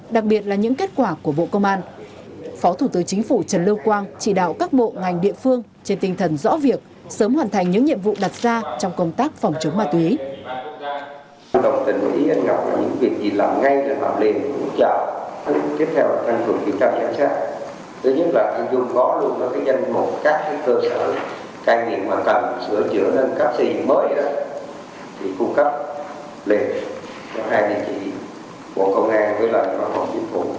đặc biệt là những kết quả của các cơ sở mà để cây điện thì chúng ta là phải nâng cấp cái nào trước để có ít nhất là mỗi một tỉnh là phải có cái rơi trước